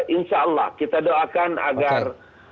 insya allah kita doakan agar